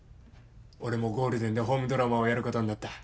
俺もゴールデンでホームドラマをやることになった。